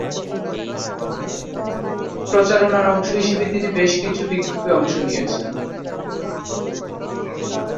প্রচারণার অংশ হিসেবে তিনি বেশ কিছু বিক্ষোভে অংশ নিয়েছেন।